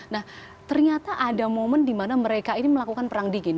nah ternyata ada momen di mana mereka ini melakukan perang dingin